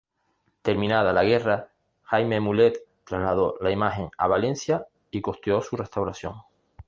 Terminada la guerra, Jaime Mulet trasladó la imagen a Valencia y costeó la restauración.